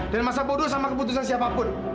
dan masa bodoh sama keputusan siapapun